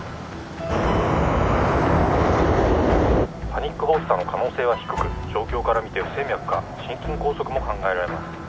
「パニック発作の可能性は低く状況から見て不整脈か心筋梗塞も考えられます」